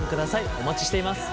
お待ちしています。